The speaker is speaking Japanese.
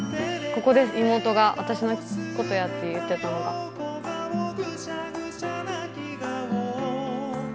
ここです、妹が私のことやって言ってたのが。